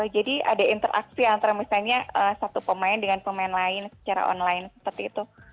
jadi ada interaksi antara misalnya satu pemain dengan pemain lain secara online seperti itu